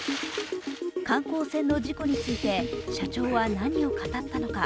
観光船の事故について社長は何を語ったのか。